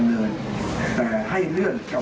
ในเวลาเดิมคือ๑๕นาทีครับ